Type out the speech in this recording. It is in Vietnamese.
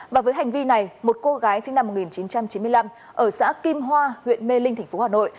và với hành vi này một cô gái sinh năm một nghìn chín trăm chín mươi năm ở xã kim hoa huyện mê linh tp hà nội